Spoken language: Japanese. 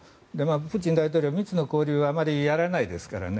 プーチン大統領は密な交流はあまりやらないですからね。